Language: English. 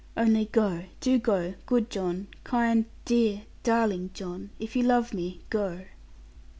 Only go, do go, good John; kind, dear, darling John; if you love me, go.'